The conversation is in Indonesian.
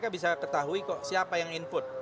bisa ketahui kok siapa yang input